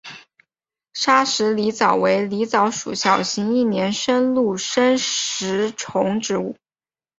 砂石狸藻为狸藻属小型一年生陆生食虫植物。